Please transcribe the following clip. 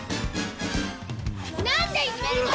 何でいじめるの！